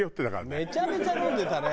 めちゃめちゃ飲んでたね。